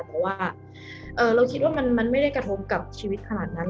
เพราะว่าเราคิดว่ามันไม่ได้กระทบกับชีวิตขนาดนั้น